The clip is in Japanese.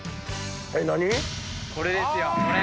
これですよこれ！